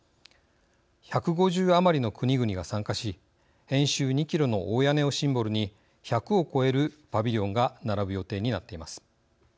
１５０余りの国々が参加し円周２キロの大屋根をシンボルに１００を超えるパビリオンが並ぶ予定になっています。